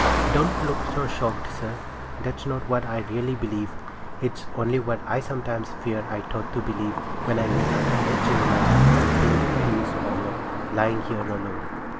Don't look so shocked, sir. That's not what I really believe; it's only what I sometimes fear I ought to believe, when I wake up in the chill night and think things over, lying here alone.